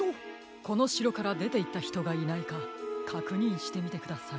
このしろからでていったひとがいないかかくにんしてみてください。